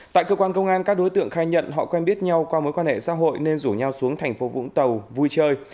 tại cơ quan công an các đối tượng khai nhận họ quen biết nhau qua mối quan hệ xã hội nên rủ nhau xuống thành phố vũng tàu vui chơi